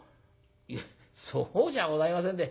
「いやそうじゃございませんで。